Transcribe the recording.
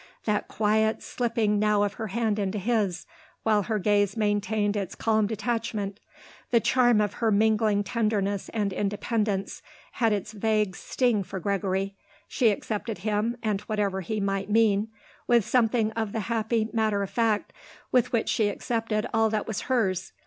That quiet slipping now of her hand into his, while her gaze maintained its calm detachment, the charm of her mingled tenderness and independence, had its vague sting for Gregory. She accepted him and whatever he might mean with something of the happy matter of fact with which she accepted all that was hers.